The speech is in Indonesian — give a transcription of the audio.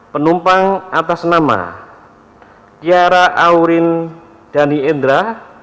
penumpang atas nama tiara aurin dhani indra